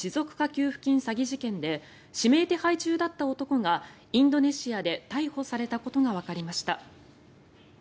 給付金詐欺事件で指名手配中だった男がインドネシアで逮捕されたことがわかりました。